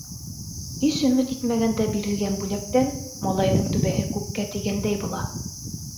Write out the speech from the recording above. Һис өмөт итмәгәндә бирелгән бүләктән малайҙың түбәһе күккә тейгәндәй була.